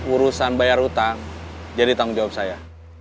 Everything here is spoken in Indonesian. urusan bayar utang jadi tanggung jawab saya